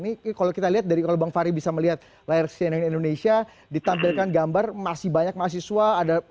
ini kalau kita lihat dari kalau bang fahri bisa melihat layar cnn indonesia ditampilkan gambar masih banyak mahasiswa